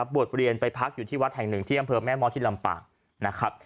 บวชเรียนไปพักอยู่ที่วัดแห่งหนึ่งที่อำเภอแม่ม้อที่ลำปางนะครับ